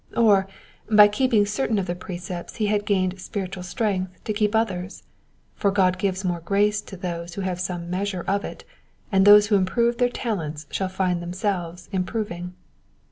Or, by keeping certain of the precepts he had gained spiritual strength to keep others : for God gives more grace to those who have some measure of it, and those who improve their talents shall find themselves improving.